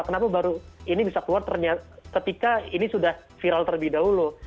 kenapa baru ini bisa keluar ketika ini sudah viral terlebih dahulu